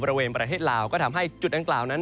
บริเวณประเทศลาวก็ทำให้จุดดังกล่าวนั้น